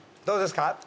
どうですか？